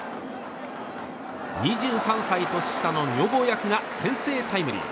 ２３歳年下の女房役が先制タイムリー。